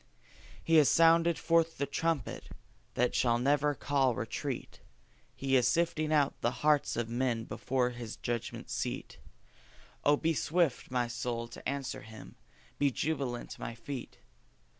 He has sounded forth the trumpet that shall never call retreat; He is sifting out the hearts of men before His judgment seat: Oh, be swift, my soul, to answer Him! be jubilant, my feet!